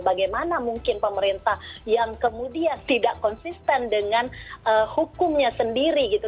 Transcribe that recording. bagaimana mungkin pemerintah yang kemudian tidak konsisten dengan hukumnya sendiri gitu